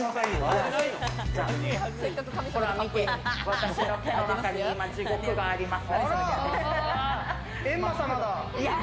私の手の中に地獄があります。